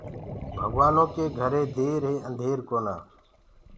ڀگوآنو ڪيٚ گهري دير هي انڌير ڪونآ۔